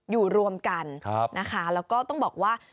อยู่รวมกันนะคะแล้วก็ต้องบอกว่า